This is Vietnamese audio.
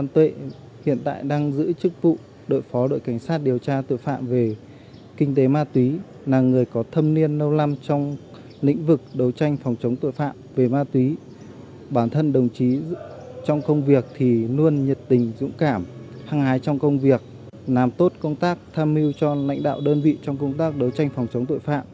trong công việc thì luôn nhiệt tình dũng cảm hăng hái trong công việc làm tốt công tác tham mưu cho lãnh đạo đơn vị trong công tác đấu tranh phòng chống tội phạm